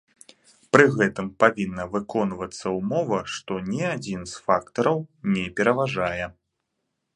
Пры гэтым павінна выконвацца ўмова, што ні адзін з фактараў не пераважвае.